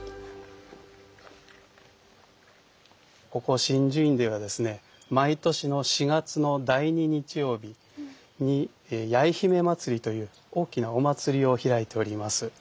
ここ眞珠院ではですね毎年の４月の第２日曜日に「八重姫まつり」という大きなお祭りを開いております。